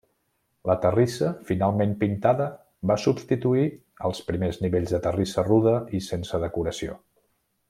La terrissa finament pintada va substituir els primers nivells de terrissa rude i sense decoració.